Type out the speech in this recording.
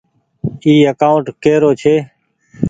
اي اڪآونٽ ڪي رو ڇي۔